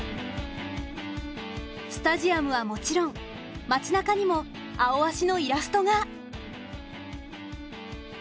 スタジアムはもちろん街なかにも「アオアシ」のイラストが。